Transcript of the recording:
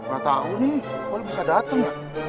ga tau nih kok bisa dateng ya